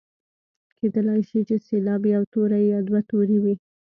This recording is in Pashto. کیدلای شي چې سېلاب یو توری یا دوه توري وي.